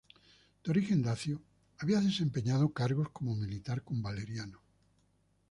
De origen dacio, había desempeñado cargos como militar con Valeriano.